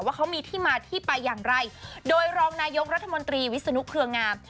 ว่าเขามีที่มาที่ไปอย่างไรโดยรองนายกรัฐมนตรีวิศนุเครืองาม